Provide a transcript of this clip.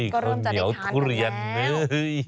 ก็เริ่มจะได้ทานกันแล้ว